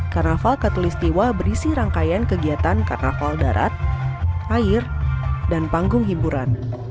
karnaval katulistiwa berisi rangkaian kegiatan karnaval darat air dan panggung hiburan